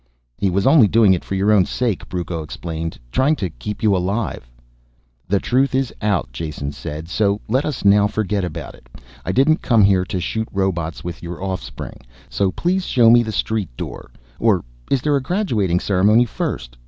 "He was only doing it for your own sake," Brucco explained, "trying to keep you alive." "The truth is out," Jason said, "so let us now forget about it. I didn't come here to shoot robots with your offspring. So please show me the street door. Or is there a graduating ceremony first?